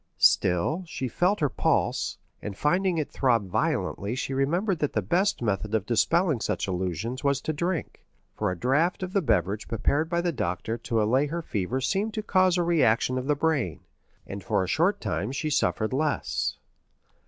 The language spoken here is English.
Still, she felt her pulse, and finding it throb violently she remembered that the best method of dispelling such illusions was to drink, for a draught of the beverage prepared by the doctor to allay her fever seemed to cause a reaction of the brain, and for a short time she suffered less.